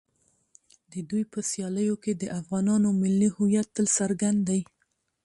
د دوی په سیالیو کې د افغانانو ملي هویت تل څرګند دی.